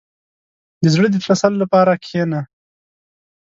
• د زړه د تسل لپاره کښېنه.